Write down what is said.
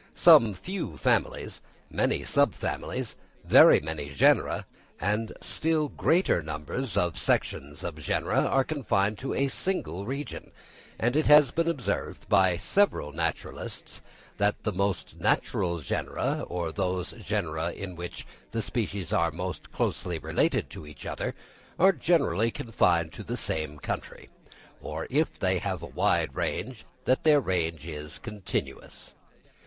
Some few families, many subfamilies, very many genera, a still greater number of sections of genera, are confined to a single region; and it has been observed by several naturalists that the most natural genera, or those genera in which the species are most closely related to each other, are generally confined to the same country, or if they have a wide range that their range is continuous.